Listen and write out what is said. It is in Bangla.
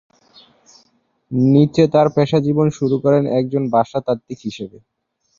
নিচে তার পেশাজীবন শুরু করেন একজন ভাষাতাত্ত্বিক হিসেবে।